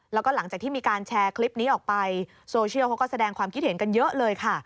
แล้วก็หลังจากที่มีการแชร์คลิปนี้ออกไปโซเชียลเขาก็แสดงความคิดเห็นกันเยอะเลยค่ะ